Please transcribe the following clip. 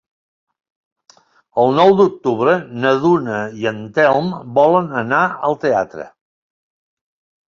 El nou d'octubre na Duna i en Telm volen anar al teatre.